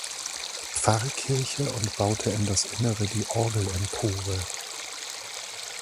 Pfarrkirche und baute in das Innere die Orgelempore.